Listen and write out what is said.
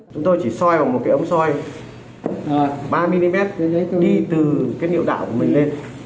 chúng tôi chỉ soi vào một cái ống soi ba mm đi từ cái niệu đạo của mình lên